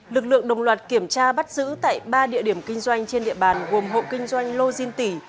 lực lượng đồng loạt kiểm tra bắt giữ tại ba địa điểm kinh doanh trên địa bàn gồm hộ kinh doanh lô diên tỉ